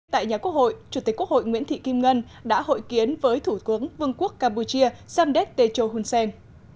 tại nhà quốc hội chủ tịch quốc hội nguyễn thị kim ngân đã hội kiến với thủ tướng vương quốc campuchia samdek techo hunsen